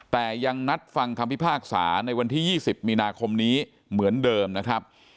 แต่ยังนัดฟังคำพิพากษาในวันที่๒๐มีนาคมนี้เหมือนเดิมนะครับ